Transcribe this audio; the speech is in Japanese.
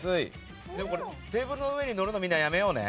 テーブルの上に乗るのみんな、やめようね。